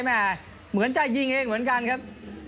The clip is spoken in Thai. เหมือนใจแม่เหมือนใจยิงเองเหมือนกันครับ